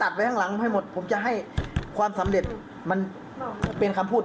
ไว้ข้างหลังให้หมดผมจะให้ความสำเร็จมันเป็นคำพูด